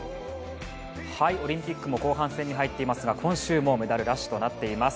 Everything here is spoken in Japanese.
オリンピックも後半戦に入っていますが今週もメダルラッシュとなっています。